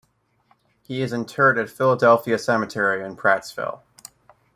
He is interred at Philadelphia Cemetery in Prattsville.